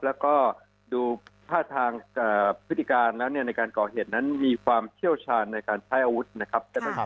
แล้วก็ดูท่าทางพฤติการแล้วในการก่อเหตุนั้นมีความเชี่ยวชาญในการใช้อาวุธนะครับ